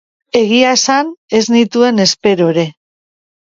Egia esan, ez nituen espero ere.